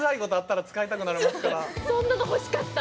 そんなの欲しかった！